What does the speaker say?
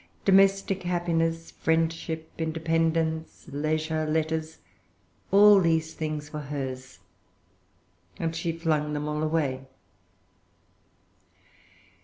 Domestic happiness, friendship, independence, leisure, letters, all these things were hers; and she flung them all away.